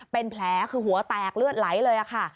เป็นแผลคือหัวแตกเลือดไหลเลยค่ะ